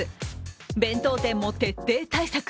弁当店も徹底対策。